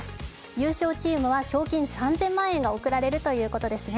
優勝チームは賞金３０００万円が贈られるということですね。